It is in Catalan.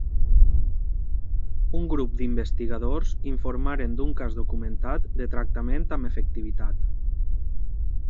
Un grup d'investigadors informaren d'un cas documentat de tractament amb efectivitat.